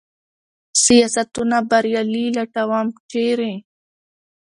سیاستونه بریالي لټوم ، چېرې ؟